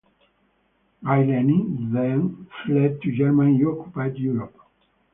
Gaylani then fled to German-occupied Europe.